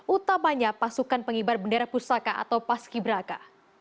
utamanya pasukan pengibar bendera pusaka atau paski braka